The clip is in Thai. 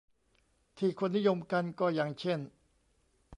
ที่คนนิยมกันก็อย่างเช่น